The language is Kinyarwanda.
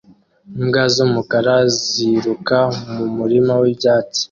Imbwa z'umukara ziruka mu murima w'ibyatsi